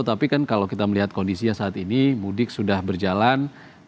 tapi kan kalau kita melihat kondisinya saat ini mudik sudah berjalan